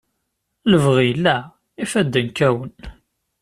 Lebɣi yella, ifadden kkawen.